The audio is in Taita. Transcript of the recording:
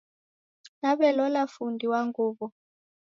Naw'elola fundi wa nguw'o.